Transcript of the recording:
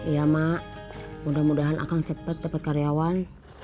iya emak mudah mudahan akan cepet dapet karyawan